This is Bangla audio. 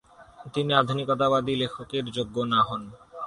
তিনি আধুনিকতাবাদী লেখকের যোগ্য না হন।